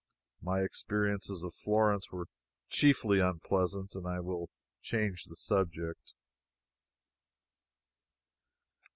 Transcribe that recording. My experiences of Florence were chiefly unpleasant. I will change the subject.